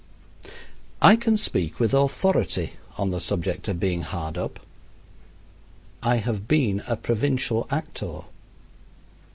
I can speak with authority on the subject of being hard up. I have been a provincial actor.